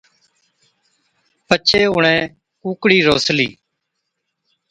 پڇي اُڻهين ڪُوڪڙِي روسلِي،